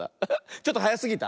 ちょっとはやすぎた？